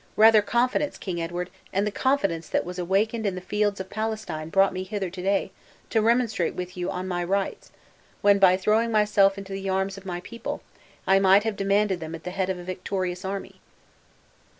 Rather confidence, King Edward; and the confidence that was awakened in the fields of Palestine brought me hither to day to remonstrate with you on my rights; when by throwing myself into the arms of my people, I might have demanded them at the head of a victorious army."